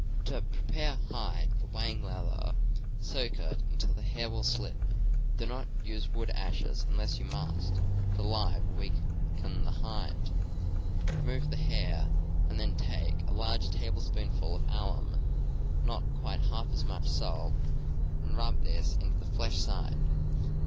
To prepare a hide for whang leather : soak it until the hair will slip. Do not use wood ashes unless you must, for lye will weaken the hide. Remove the hair, and then take a large tablespoonful of alum, and not quite half as much salt, and rub this into the flesh side.